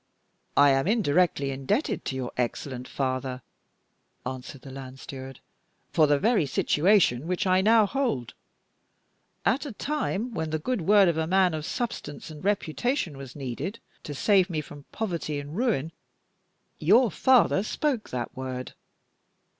"I am indirectly indebted to your excellent father," answered the land steward, "for the very situation which I now hold. At a time when the good word of a man of substance and reputation was needed to save me from poverty and ruin, your father spoke that word.